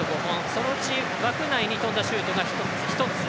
そのうち枠内に飛んだシュートが１つ。